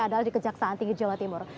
adalah di kejaksaan tinggi jawa timur